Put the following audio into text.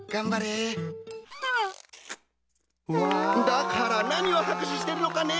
だから何を拍手してるのかね！